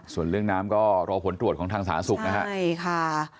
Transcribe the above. ส่วนเรื่องน้ำก็รอผลตรวจของทางสาธารณสุขนะฮะใช่ค่ะ